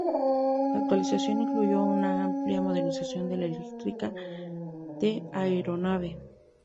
La actualización incluyó una amplia modernización de la electrónica de la aeronave.